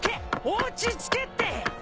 落ち着けって！